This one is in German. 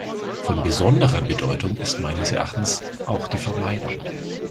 Von besonderer Bedeutung ist meines Erachtens auch die Vermeidung.